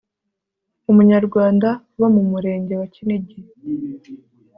umunyarwanda uba mu Murenge wa Kinigi